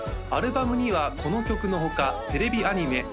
アルバムにはこの曲の他テレビアニメ